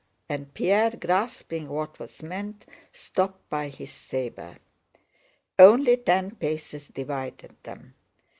and Pierre, grasping what was meant, stopped by his saber. Only ten paces divided them.